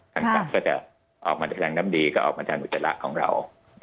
ทั้งสามก็จะออกมาทางแรงน้ำดีก็ออกมาทางอุจจาระของเรา